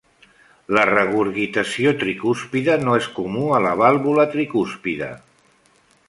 La regurgitació tricúspide no és comú a la vàlvula tricúspide.